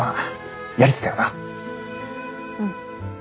うん。